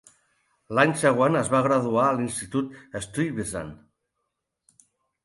L'any següent es va graduar a l'institut de Stuyvesant.